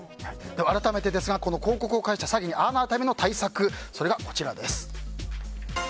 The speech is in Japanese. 改めて、広告を介した詐欺に遭わないための対策がこちらです。